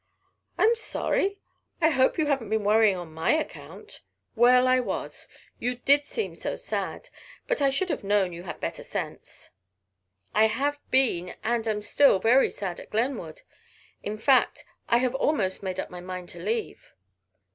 "I am sorry, I hope you haven't been worrying on my account." "Well, I was. You did seem so sad but I should have known you had better sense." "I have been and am still very sad at Glenwood. In fact, I have almost made up my mind to leave."